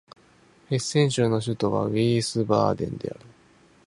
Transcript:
ヘッセン州の州都はヴィースバーデンである